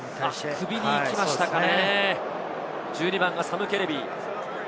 首に行きましたかね。